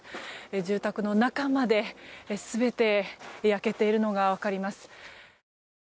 住宅の中まで全て焼けているのが分かります。